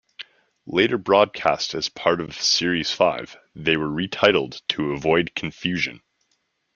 Later broadcast as part of series five, they were re-titled to avoid confusion.